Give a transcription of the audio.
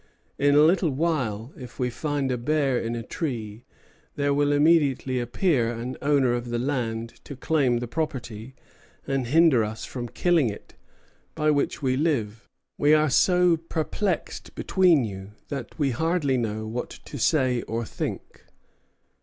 In a little while, if we find a bear in a tree, there will immediately appear an owner of the land to claim the property and hinder us from killing it, by which we live. We are so perplexed between you that we hardly know what to say or think."